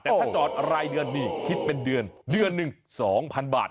แต่ถ้าจอดรายเดือนดีคิดเป็นเดือนเดือนหนึ่ง๒๐๐๐บาท